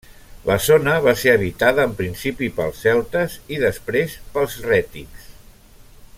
La zona va ser habitada en principi pels celtes i després pels rètics.